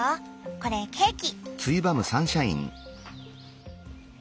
これケーキ。